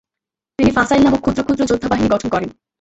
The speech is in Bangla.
তিনি 'ফাসাইল নামক ক্ষুদ্র ক্ষুদ্র যোদ্ধাবাহিনী গঠন করেন।